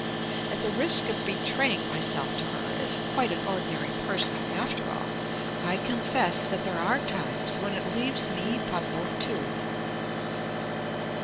At the risk of betraying myself to her as "quite an ordinary person after all" I confess that there are times when it leaves me puzzled too.